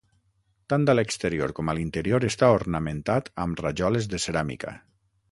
Tant a l'exterior com a l'interior està ornamentat amb rajoles de ceràmica.